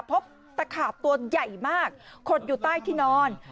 ตะขาบตัวใหญ่มากขดอยู่ใต้ที่นอน